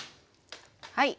はい。